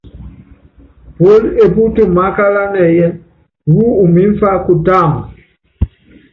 Puólí epú tumaátala nɛyɛ́, wú umimfá kutáama?